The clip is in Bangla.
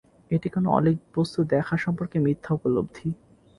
এটি কোনো অলীক বস্তু দেখা সম্পর্কে মিথ্যা উপলব্ধি।